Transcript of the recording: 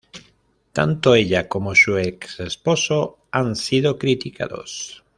Tanto ella como su ex esposo han sido criticados.